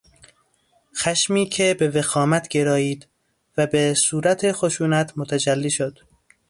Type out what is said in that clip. خشمی که به وخامت گرایید و به صورت خشونت متجلی شد